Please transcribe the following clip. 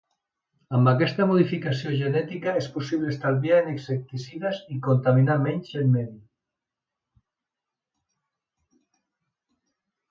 Amb aquesta modificació genètica és possible estalviar en insecticides i contaminar menys el medi.